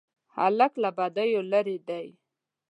هلک له بدیو لیرې دی.